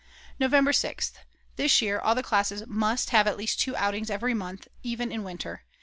November 6th. This year all the classes must have at least two outings every month, even in winter.